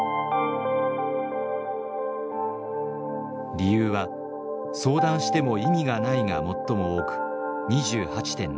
理由は「相談しても意味がない」が最も多く２８．７％。